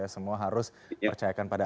semua harus percayakan pada